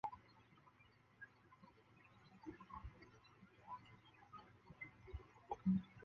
寺内还有樱木町事故和鹤见事故的慰灵碑。